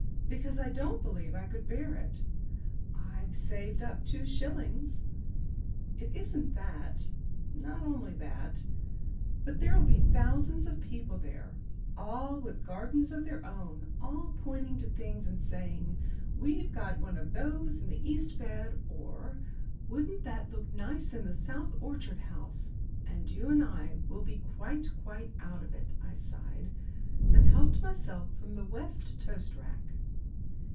"Because I don't believe I could bear it." "I've saved up two shillings." "It isn't that not only that. But there'll be thousands of people there, all with gardens of their own, all pointing to things and saying, 'We've got one of those in the east bed,' or 'Wouldn't that look nice in the south orchid house?' and you and I will be quite, quite out of it." I sighed, and helped myself from the west toast rack.